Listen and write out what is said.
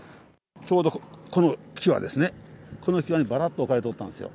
ちょうどこの際ですね、この際にばらっと置かれとったんですよ。